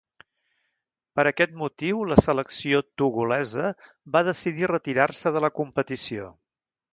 Per aquest motiu la selecció togolesa va decidir retirar-se de la competició.